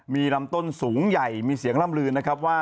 มีลำต้นสูงใหญ่มีเสียงล่ำลืนนะครับว่า